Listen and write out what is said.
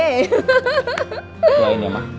selain ya ma